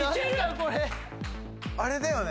これあれだよね